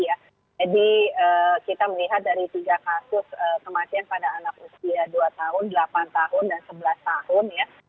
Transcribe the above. jadi kita melihat dari tiga kasus kematian pada anak usia dua tahun delapan tahun dan sebelas tahun